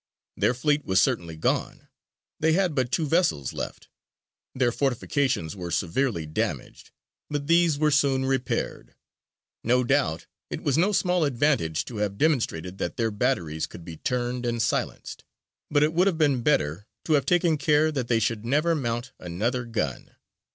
Their fleet was certainly gone: they had but two vessels left. Their fortifications were severely damaged, but these were soon repaired. No doubt it was no small advantage to have demonstrated that their batteries could be turned and silenced; but it would have been better to have taken care that they should never mount another gun.